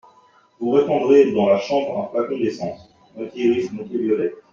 Vous répandrez dans la chambre un flacon d’essence… moitié iris, moitié violette.